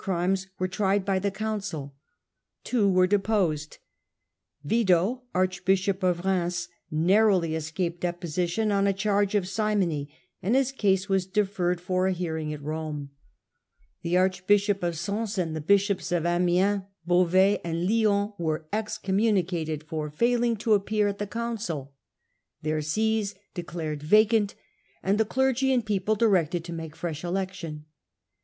aimes were tried by the council. Two were deposed : Wido, archbishop of Reims, narrowly escaped deposition on a charge of simony, and his case was deferred for Digitized by VjOOQIC Proghess of the Rbform/ng Movement 31 hearing at Rome. The archbishop of Sons, and the \ bishops of Amiens, Beauvais, and Lyons were excom i municated for fafling to appear at the council; their / sees declared vacant, and the clergy and people directed / to make fresh election.